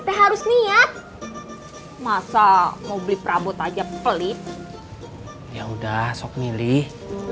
teng harus niat masa mau beli perabot aja pelit ya udah sok milih